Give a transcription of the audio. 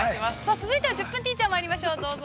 続いては「１０分ティーチャー」まいりましょう、どうぞ。